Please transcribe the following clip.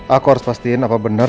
aku harus pastiin apa benar